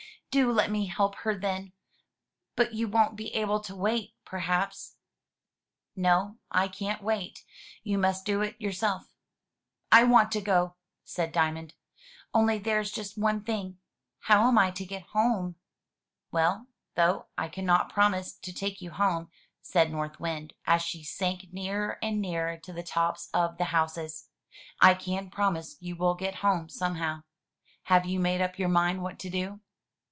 do let me help her, then. But you won't be able to wait, perhaps?" 431 M Y BOOK HOUSE No, I can't wait; you must do it yourself/' I want to go," said Diamond. "Only there's just one thing— how am I to get home?" "Well, though I cannot promise to take you home," said North Wind, as she sank nearer and nearer to the tops of the houses, " I can promise you will get home somehow. Have you made up your mind what to do?"